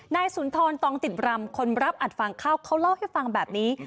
สุนทรตองติดรำคนรับอัดฟางข้าวเขาเล่าให้ฟังแบบนี้